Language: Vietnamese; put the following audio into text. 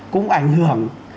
cũng ảnh hưởng